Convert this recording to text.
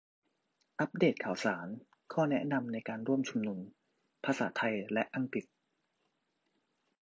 อัปเดตข่าวสาร ข้อแนะนำในการร่วมชุมนุม - ภาษาไทยและอังกฤษ